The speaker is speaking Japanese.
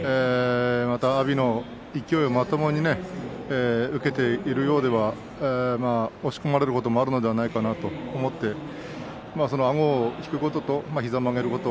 阿炎の勢いをまともに受けているようでは押し込まれることがあるんじゃないかなと思ってあごを引くことをと膝を曲げること。